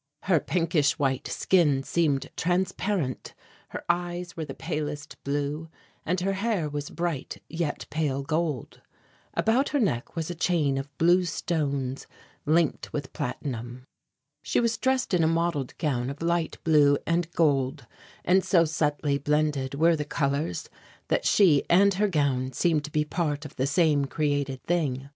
Her pinkish white skin seemed transparent, her eyes were the palest blue and her hair was bright yet pale gold. About her neck was a chain of blue stones linked with platinum. She was dressed in a mottled gown of light blue and gold, and so subtly blended were the colours that she and her gown seemed to be part of the same created thing.